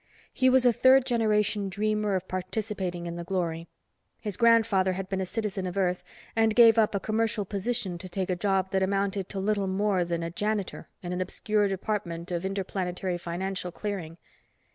He was a third generation dreamer of participating in the glory. His grandfather had been a citizen of Earth and gave up a commercial position to take a job that amounted to little more than a janitor in an obscure department of Interplanetary Financial Clearing.